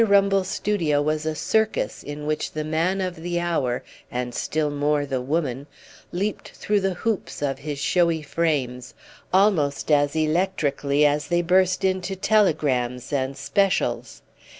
Rumble's studio was a circus in which the man of the hour, and still more the woman, leaped through the hoops of his showy frames almost as electrically as they burst into telegrams and "specials."